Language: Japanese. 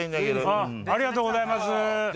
ありがとうございます。